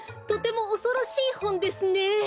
とてもおそろしいほんですね。